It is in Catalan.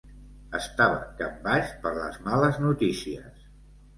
Estava capbaix per les males notícies.